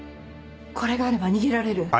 これがあれば逃げられる。